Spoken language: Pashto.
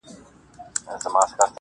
خو ځول یې په قفس کي وزرونه -